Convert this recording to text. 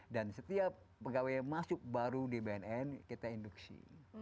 dan setiap pegawai yang masuk baru di bnn kita induksi